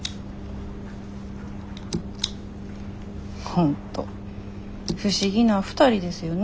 本当不思議な２人ですよね。